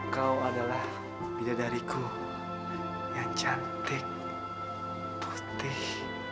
kau adalah bidadariku yang cantik pasti